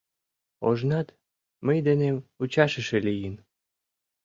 Ожнат мый денем ӱчашыше лийын.